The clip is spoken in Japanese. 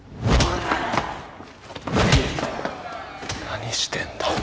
何してんだよ。